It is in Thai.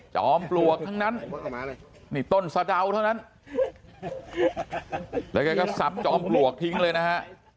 ปลวกทั้งนั้นนี่ต้นสะดาวเท่านั้นแล้วแกก็สับจอมปลวกทิ้งเลยนะฮะ